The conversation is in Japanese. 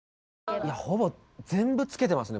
ほぼ全部つけてますね